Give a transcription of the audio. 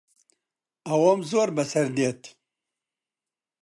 ئەوەم زۆر بەسەر دێت.